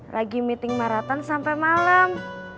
lagi meeting marathon sampai malam